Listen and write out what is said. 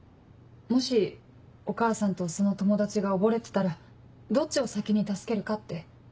もしお母さんとその友達が溺れてたらどっちを先に助けるかって。